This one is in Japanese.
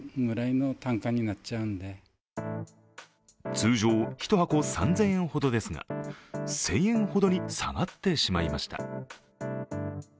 通常１箱３０００円ほどですが１０００円ほどに下がってしまいました。